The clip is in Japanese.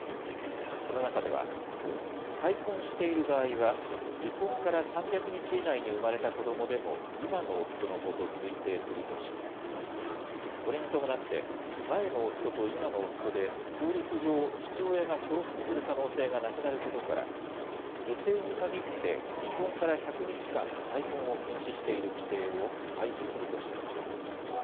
この中では、再婚している場合は、離婚から３００日以内に産まれた子どもでも今の夫の子と推定するとし、これに伴って、前の夫と今の夫で、法律上、父親が重複する可能性がなくなることから、女性に限って離婚から１００日間再婚を禁止している規定を廃止するとしています。